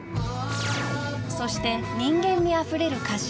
［そして人間味あふれる歌詞。